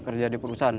kerja di perusahaan